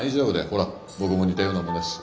ほら僕も似たようなもんだし。